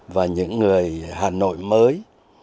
và những người hà nội mới